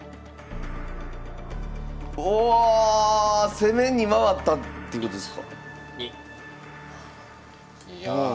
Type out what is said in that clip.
攻めに回ったってことですか？